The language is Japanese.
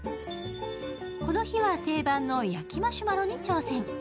この日は、定番の焼きマシュマロに挑戦。